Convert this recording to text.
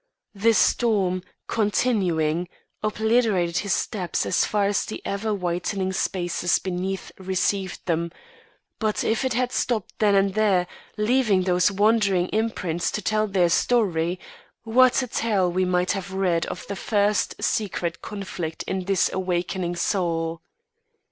"The storm, continuing, obliterated his steps as fast as the ever whitening spaces beneath received them; but if it had stopped then and there, leaving those wandering imprints to tell their story, what a tale we might have read of the first secret conflict in this awakening soul!